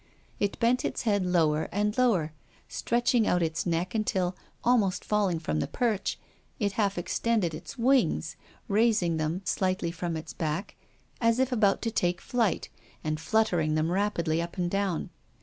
It bent its head lower and lower, stretching out its neck until, almost falling from the perch, it half extended its wings, raising them slightly from its back, as if about to take flight, and fluttering them rap idly up and down.